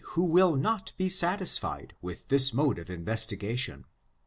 65 who will not be satisfied with this mode of investi gation.